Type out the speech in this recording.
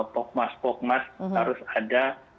pokmas pokmas harus ada